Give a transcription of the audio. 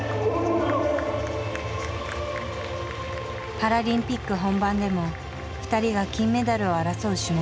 パラリンピック本番でも２人が金メダルを争う種目だ。